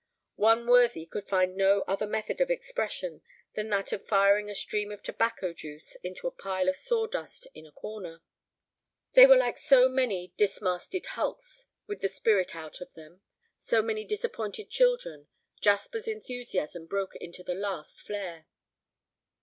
One worthy could find no other method of expression than that of firing a stream of tobacco juice into a pile of sawdust in a corner. They were like so many dismasted hulks with the spirit out of them, so many disappointed children. Jasper's enthusiasm broke into a last flare.